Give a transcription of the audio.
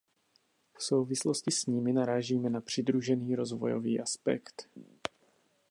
V souvislosti s nimi narážíme na přidružený rozvojový aspekt.